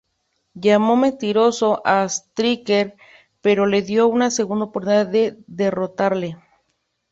Llamó "mentiroso" a Striker, pero le dio una segunda oportunidad de derrotarle.